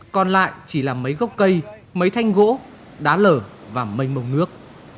còn lại chỉ là mấy gốc cây mấy thanh gỗ đá lở và mây mông nước